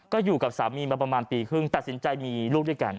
ก็อยู่กับสามีมาประมาณปีครึ่งตัดสินใจมีลูกด้วยกัน